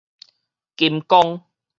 金剛